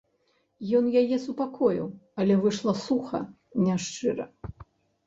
Ён яе супакоіў, але выйшла суха, няшчыра.